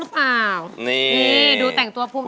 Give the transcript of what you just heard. ร้องได้ให้ล้านบนเวทีเลยค่ะ